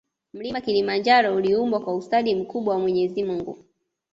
Mlima kilimanjaro uliumbwa kwa ustadi mkubwa wa mwenyezi mungu